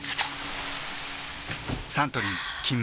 サントリー「金麦」